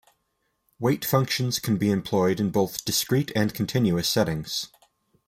Weight functions can be employed in both discrete and continuous settings.